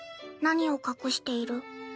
何を隠している？